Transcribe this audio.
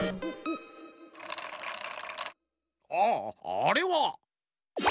ああれは。